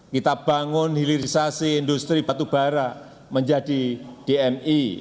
kita bangun hilirisasi industri batu bara menjadi dmi